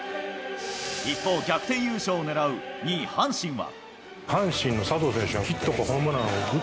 一方、逆転優勝を狙う２位、阪神は。